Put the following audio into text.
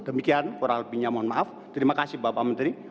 demikian kurang lebihnya mohon maaf terima kasih bapak menteri